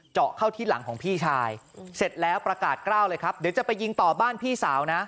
เจาะเข้าที่หลังของพี่ชายเสร็จแล้วประกาศกล้าวเลยครับเดี๋ยวจะไปยิงต่อบ้านพี่สาวนะ